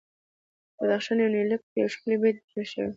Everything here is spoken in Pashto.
د بدخشان یونلیک په یو ښکلي بیت پیل شوی دی.